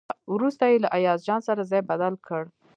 وروسته یې له ایاز جان سره ځای بدل کړ.